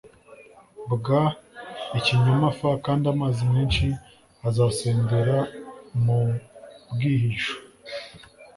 bw ikinyoma f kandi amazi menshi azasendera mu bwihisho